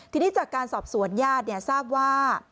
ทีนี้จากการสอบสวนญาติทราบว่า